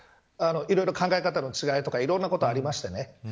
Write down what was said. いろいろ考え方の違いとかいろんなことがありましてね。